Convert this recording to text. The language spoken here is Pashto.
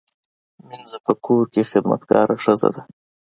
مینځه په کور کې خدمتګاره ښځه ده